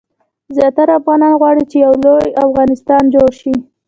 زیاتره افغانان غواړي چې لوی افغانستان جوړ شي.